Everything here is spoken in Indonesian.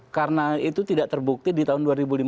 karena itu tidak terbukti di tahun dua ribu lima belas